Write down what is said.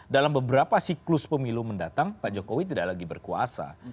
dalam beberapa siklus pemilu mendatang pak jokowi tidak lagi berkuasa